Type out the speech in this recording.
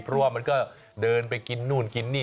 เพราะว่ามันก็เดินไปกินนู่นกินนี่